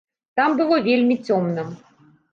Там было вельмі цёмна.